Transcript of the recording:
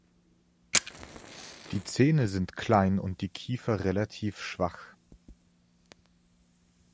Die Zähne sind klein und die Kiefer relativ schwach.